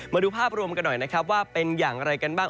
มาดูภาพรวมกันหน่อยนะครับว่าเป็นอย่างไรกันบ้าง